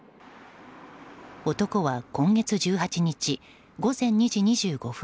男は、今月１８日午前２時２５分